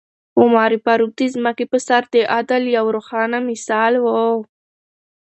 عمر فاروق د ځمکې په سر د عدل یو روښانه مثال و.